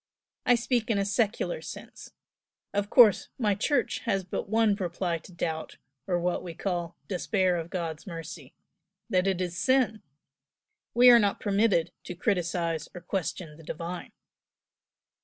I speak in a secular sense, of course my Church has but one reply to doubt, or what we call 'despair of God's mercy' that it is sin. We are not permitted to criticise or to question the Divine."